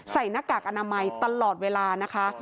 หน้ากากอนามัยตลอดเวลานะคะ